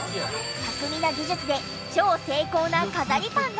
巧みな技術で超精巧な飾りパンが。